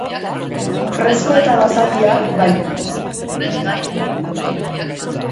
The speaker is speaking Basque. Fresko eta basatia, baina zinezko kanta batzuekin.